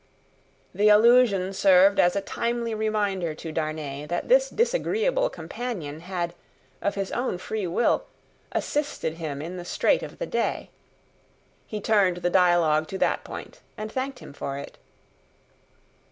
The allusion served as a timely reminder to Darnay that this disagreeable companion had, of his own free will, assisted him in the strait of the day. He turned the dialogue to that point, and thanked him for it.